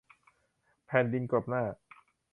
แผ่นดินกลบหน้า